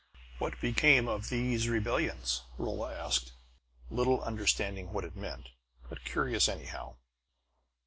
"What became of these rebellions?" Rolla asked, little understanding what it meant, but curious anyhow.